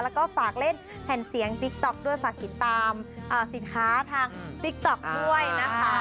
แล้วก็ฝากเล่นแผ่นเสียงติ๊กต๊อกด้วยฝากติดตามสินค้าทางติ๊กต๊อกด้วยนะคะ